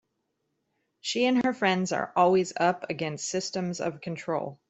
She and her friends are always up against systems of control.